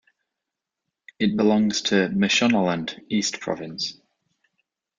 It belongs to Mashonaland East province.